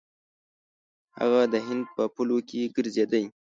هغه د هند په پولو کې ګرځېدی.